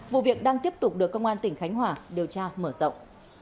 vụ việc đang tiếp tục được công an tỉnh khánh hòa điều tra mở rộng